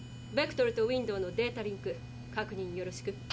ベクトルとウインドーのデータリンク確認よろしく」。